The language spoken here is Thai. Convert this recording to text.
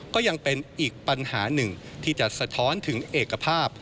ก็ยังเป็นอีกปัญหาหนึ่งที่จะสะท้อนถึงเอกภาพ